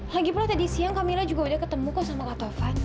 lagipula tadi siang kak mila juga sudah ketemu kau sama kak tovan